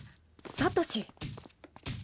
サトシ。